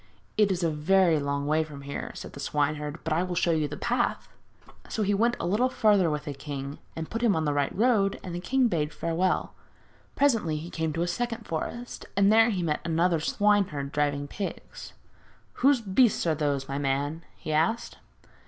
'It is a very long way from here,' said the swineherd; 'but I will show you the path.' So he went a little farther with the king and put him on the right road, and the king bade him farewell. Presently he came to a second forest, and there he met another swineherd driving pigs. 'Whose beasts are those, my man?' he asked.